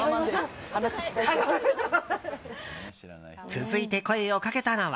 続いて声をかけたのは。